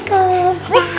ke depan yuk